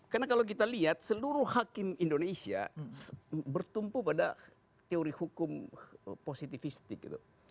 karena kalau kita lihat seluruh hakim indonesia bertumpu pada teori hukum positivistik gitu